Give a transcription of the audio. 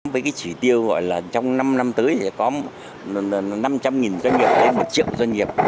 với cái chỉ tiêu gọi là trong năm năm tới sẽ có năm trăm linh doanh nghiệp đấy một triệu doanh nghiệp